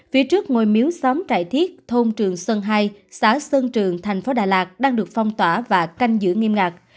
phía trước ngôi miếu xóm trại thiết thôn trường sơn hai xã sơn trường thành phố đà lạt đang được phong tỏa và canh giữ nghiêm ngặt